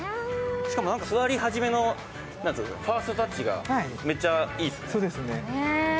しかも何か座り始めのファーストタッチがめっちゃいいですね。